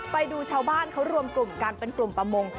ไปดูชาวบ้านเขารวมกลุ่มกันเป็นกลุ่มประมง